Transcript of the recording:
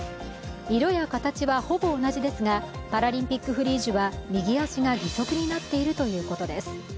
色や形はほぼ同じですがパラリンピック・フリージュは右足が義足になっているということです。